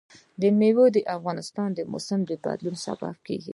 مېوې د افغانستان د موسم د بدلون سبب کېږي.